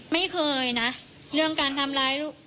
ไม่เคยนะเรื่องการทำร้ายลูก